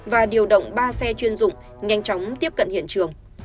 và điều động ba xe chuyên dụng nhanh chóng tiếp cận hiện trường